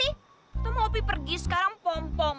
kita mau pergi sekarang pom pom